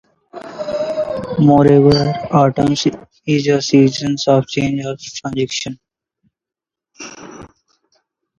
Moreover, autumn is a season of change and transition.